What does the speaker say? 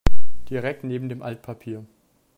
Direkt neben dem Altpapier.